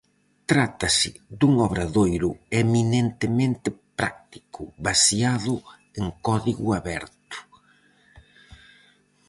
Trátase dun obradoiro eminentemente práctico, baseado en código aberto.